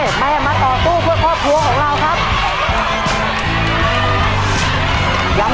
แม่มันต่อตู้เพื่อพ่อผัวของเราครับ